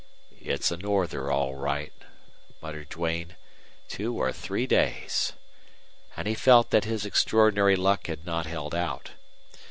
"It's a norther, all right," muttered Duane. "Two or three days." And he felt that his extraordinary luck had not held out.